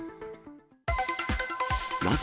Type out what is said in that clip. なぜ？